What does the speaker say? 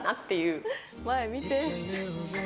前、見て。